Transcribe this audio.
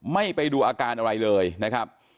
ไม่ไปดูอาการอะไรเลยนะครับ